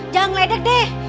jangan ledek deh